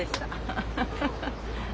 ハハハハッ。